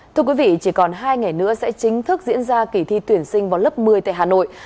thưa quý vị chỉ còn hai ngày nữa sẽ chính thức diễn ra kỳ thi tuyển sinh vào lớp một mươi tại hà nội